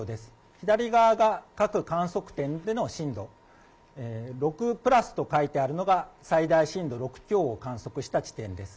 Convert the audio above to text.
左側が各観測点での震度、６＋と書いてあるのが最大震度６強を観測した地点です。